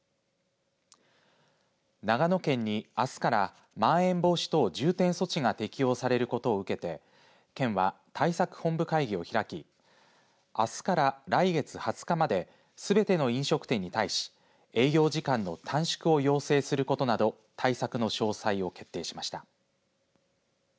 長野県に、あすからまん延防止等重点措置が適用されることを受けて県は、対策本部会議を開きあすから来月２０日まですべての飲食店に対し営業時間の短縮を要請することなど対策の詳細を決定しました。